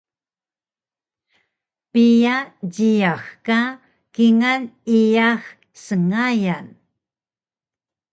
Piya jiyax ka kingal iyax sngayan?